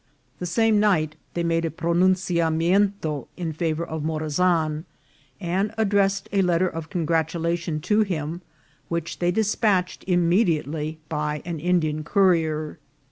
The same night they made a pro nunciamento in favour of Morazan, and addressed a let ter of congratulation to him, which they despatched im mediately by an Indian courier.